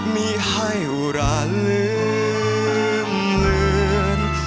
มีให้อุระลืมลื่น